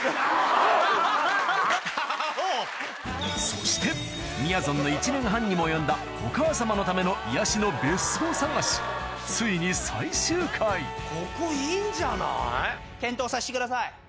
そしてみやぞんの１年半にも及んだお母様のための癒やしの別荘探しついに最終回ここいいんじゃない？